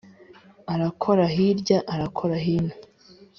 arakora hirya arakora hino :